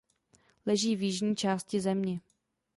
Leží v jižní části země.